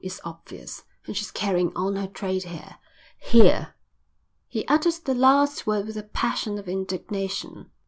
It's obvious. And she's carrying on her trade here. Here." He uttered the last word with a passion of indignation.